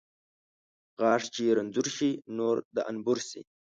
غاښ چې رنځور شي ، نور د انبور شي .